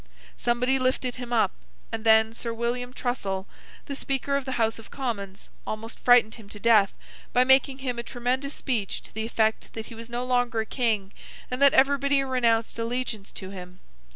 Somebody lifted him up, and then Sir William Trussel, the Speaker of the House of Commons, almost frightened him to death by making him a tremendous speech to the effect that he was no longer a King, and that everybody renounced allegiance to him.